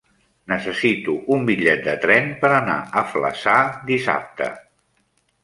Necessito un bitllet de tren per anar a Flaçà dissabte.